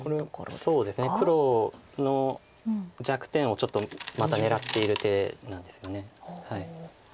そうですね黒の弱点をちょっとまた狙っている手なんですよね。